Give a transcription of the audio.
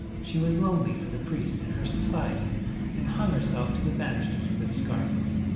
She was lonely for the priest and her society, 1 and hung herself to the banisters with a scarf.